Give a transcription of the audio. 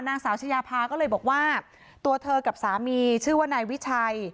นางสาวชายาพาก็เลยบอกว่าตัวเธอกับสามีชื่อว่านายวิชัย